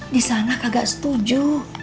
disana kagak setuju